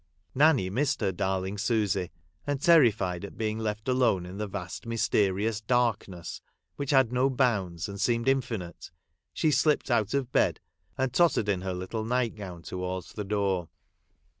Nanny missed her darling Susy, and terrified at being left alone in the vast mysterious darkness, which had no bounds, and seemed infinite, she slipped out of bed, and tottered in her little night gown towards the. door.